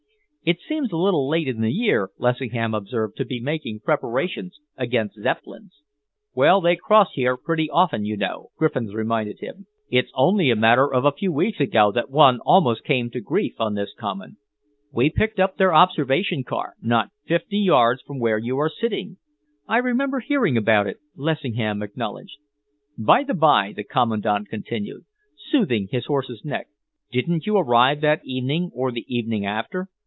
"It seems a little late in the year," Lessingham observed, "to be making preparations against Zeppelins." "Well, they cross here pretty often, you know," Griffiths reminded him. "It's only a matter of a few weeks ago that one almost came to grief on this common. We picked up their observation car not fifty yards from where you are sitting." "I remember hearing about it," Lessingham acknowledged. "By the by," the Commandant continued, smoothing his horse's neck, "didn't you arrive that evening or the evening after?"